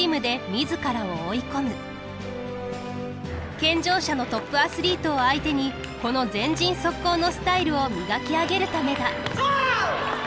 健常者のトップアスリートを相手にこの「前陣速攻」のスタイルを磨き上げるためだ。